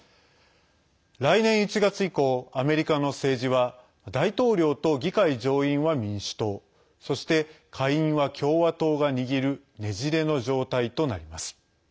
来年１月以降、アメリカの政治は大統領と議会上院は民主党そして、下院は共和党が握るねじれの状態となります。